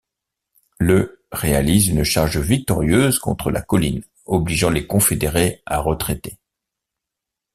Le réalise une charge victorieuse contre la colline obligeant les confédérés à retraiter.